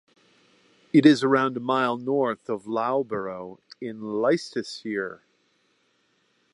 It is around a mile north of Loughborough in Leicestershire.